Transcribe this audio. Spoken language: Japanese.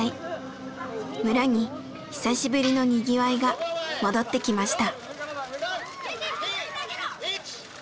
村に久しぶりのにぎわいが戻ってきました。